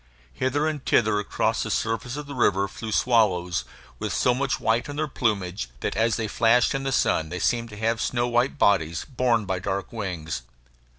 Hither and thither across the surface of the river flew swallows, with so much white in their plumage that as they flashed in the sun they seemed to have snow white bodies, borne by dark wings.